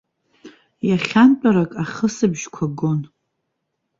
Иахантәарак ахысыбжьқәа гон.